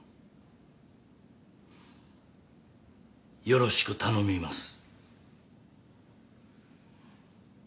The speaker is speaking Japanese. よろしく頼みます。